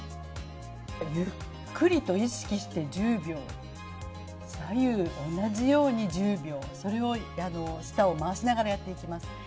ゆっくりと意識して１０秒、左右同じように１０秒、それを、舌を回しながらやっていきます。